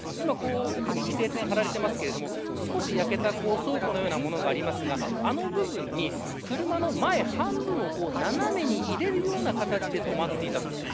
奥に規制線が張られていますが少し焼けた倉庫のようなものがありますがその部分に、車の前半分を斜めに入れるような形で止まっていた。